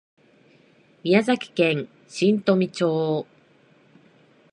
宮崎県新富町